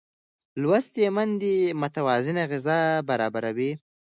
لوستې میندې متوازنه غذا برابروي.